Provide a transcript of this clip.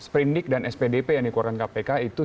sprindik dan spdp yang dikeluarkan kpk itu